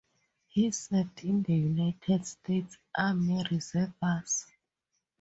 He served in the United States Army Reserves.